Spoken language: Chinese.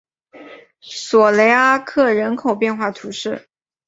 索雷阿克人口变化图示